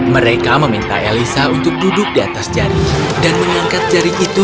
mereka meminta elisa untuk duduk di atas jari dan mengangkat jari itu